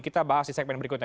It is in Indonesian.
kita bahas di segmen berikutnya